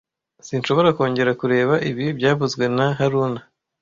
Sinshobora kongera kureba ibi byavuzwe na haruna